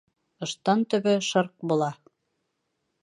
Ыштан төбө шырҡ була.